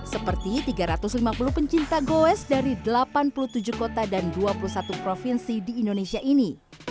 seperti tiga ratus lima puluh pencinta goes dari delapan puluh tujuh kota dan dua puluh satu provinsi di indonesia ini